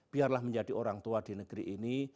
biarlah menjadi orang tua di negeri ini